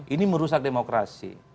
ini merusak demokrasi